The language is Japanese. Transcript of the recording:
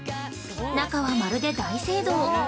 中は、まるで大聖堂。